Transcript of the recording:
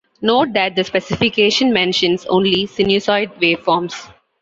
Note that the specification mentions only sinusoid waveforms.